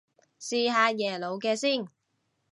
試下耶魯嘅先